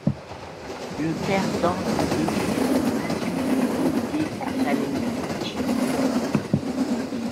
Le perdant des deux confrontations est relégué en Challenge League.